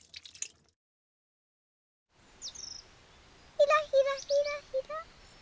ひらひらひらひら。